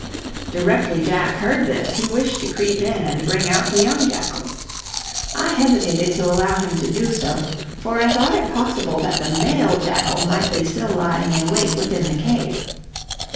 Directly Jack heard this, he wished to creep in and bring out the young jackals. I hesitated to allow him to do so, for I thought it possible that the male jackal might be still lying in wait within the cave.